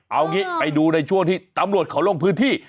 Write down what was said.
เอางี้ไปดูในช่วงที่ตำรวจเขาลงพื้นที่